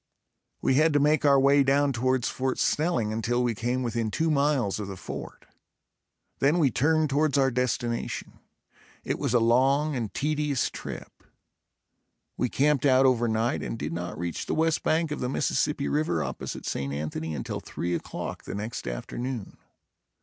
We had to make our way down towards Fort Snelling until we came within two miles of the fort. Then we turned towards our destination. It was a long and tedious trip. We camped out over night and did not reach the west bank of the Mississippi River opposite St. Anthony until three o'clock the next afternoon.